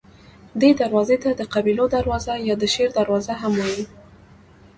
دې دروازې ته د قبیلو دروازه یا د شیر دروازه هم وایي.